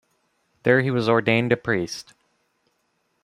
There he was ordained a priest.